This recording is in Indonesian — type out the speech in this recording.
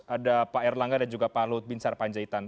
ada pak erlangga dan juga pak lut bin sarpanjaitan